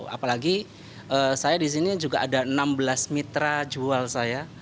apalagi saya di sini juga ada enam belas mitra jual saya